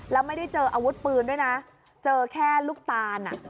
แล้วไม่ได้เจออาวุธปืนด้วยนะเจอแค่ลูกตาลอ่ะ